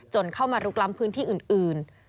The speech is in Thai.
เข้ามาลุกล้ำพื้นที่อื่น